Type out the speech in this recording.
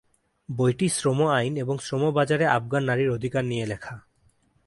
বইটি শ্রম আইন এবং শ্রম বাজারে আফগান নারীর অধিকার নিয়ে লেখা।